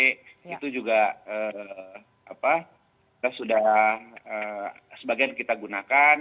kita sudah sebagian kita gunakan